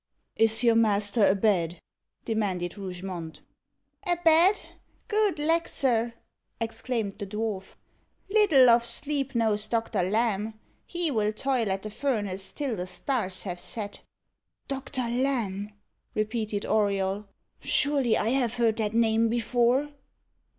"Is your master a bed?" demanded Rougemont. "A bed! Good lack, sir!" exclaimed the dwarf, "little of sleep knows Doctor Lamb. He will toil at the furnace till the stars have set." "Doctor Lamb!" repeated Auriol. "Surely I have heard that name before?"